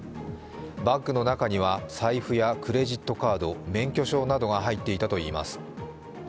バッグの中には財布やクレジットカード、免許証などが入っていたといいます。